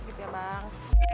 gitu ya bang